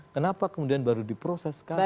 kenapa kemudian baru diproses sekarang